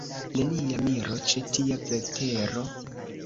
Nenia miro, ĉe tia vetero!